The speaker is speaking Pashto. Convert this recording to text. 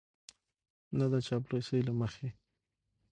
نه د چاپلوسۍ له مخې